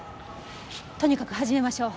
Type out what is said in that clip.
とにかく始めましょう。